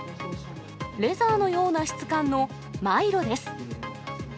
レザーのような質感のマイロです。